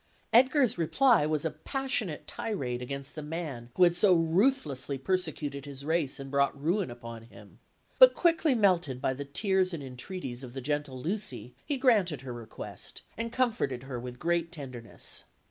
Edgar's reply was a passionate tirade against the man who had so ruthlessly persecuted his race and brought ruin upon him; but quickly melted by the tears and entreaties of the gentle Lucy, he granted her request, and comforted her with great tenderness.